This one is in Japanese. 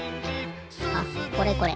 あこれこれ。